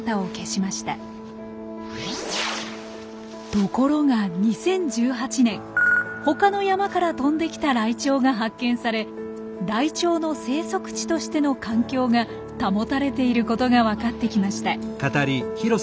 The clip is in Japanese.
ところが２０１８年他の山から飛んで来たライチョウが発見されライチョウの生息地としての環境が保たれていることが分かってきました。